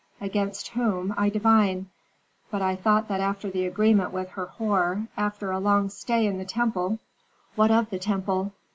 "Against whom I divine. But I thought that after the agreement with Herhor, after a long stay in the temple " "What of the temple?